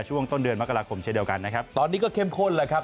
ช่วงต้นเดือนมกราคมเช่นเดียวกันนะครับตอนนี้ก็เข้มข้นแล้วครับ